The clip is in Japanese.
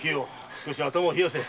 少し頭を冷やせ。